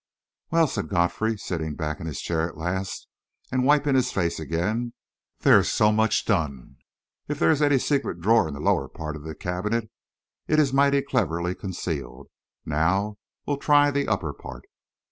"Well," said Godfrey, sitting back in his chair at last, and wiping his face again, "there's so much done. If there is any secret drawer in the lower part of the cabinet, it is mighty cleverly concealed. Now we'll try the upper part."